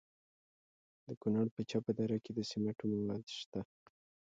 د کونړ په چپه دره کې د سمنټو مواد شته.